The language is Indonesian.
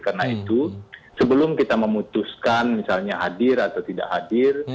karena itu sebelum kita memutuskan misalnya hadir atau tidak hadir